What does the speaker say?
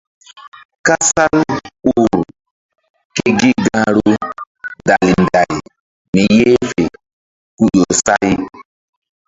Kasal u ur ke gi gahru dali nday mi yeh fe ku ƴo say.